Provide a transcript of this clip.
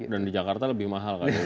dan di jakarta lebih mahal kan